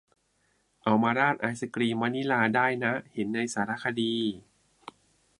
เอามาราดไอศกรีมวานิลาได้นะ เห็นในสารคดี